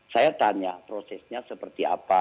saya tanya prosesnya seperti apa